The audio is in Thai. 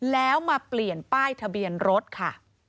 แล้วมาเปลี่ยนป้ายทะเบียนรถค่ะ